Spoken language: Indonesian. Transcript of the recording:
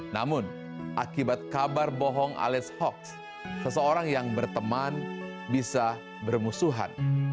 namun akibat kabar bohong alias hoax seseorang yang berteman bisa bermusuhan